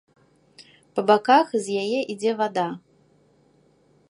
Па баках з яе ідзе вада.